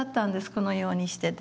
このようにしてね。